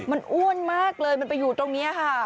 มันอ้วนมากเลยมันไปอยู่ตรงนี้ค่ะ